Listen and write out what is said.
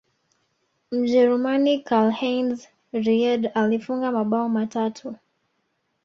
mjerumani karlheinz riedle alifunga mabao matatu